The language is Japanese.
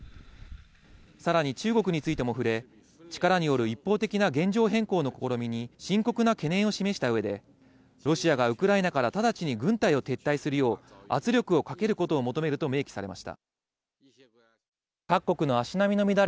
さらに中国についても触れ、力による一方的な現状変更の試みに深刻な懸念を示した上で、ロシアがウクライナから直ちに軍隊を撤退するよう圧力をかけることを求めお天気です。